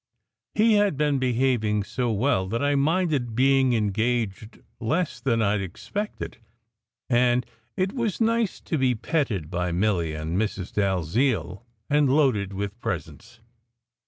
He had been be having so well that I minded being engaged less than I d expected; and it was nice to be petted by Milly and Mrs. Dalziel and loaded with presents.